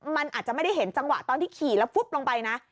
มันอาจจะไม่ได้เห็นจังหวะตอนที่ขี่แล้วฟุ๊บลงไปนะ